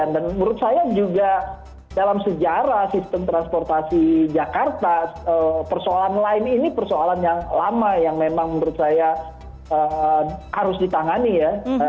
dan menurut saya juga dalam sejarah sistem transportasi jakarta persoalan line ini persoalan yang lama yang memang menurut saya harus ditangani ya